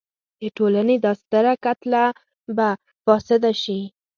د ټولنې دا ستره کتله به فاسده شي.